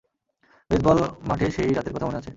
Baseball মাঠে সেই রাতের কথা মনে আছে?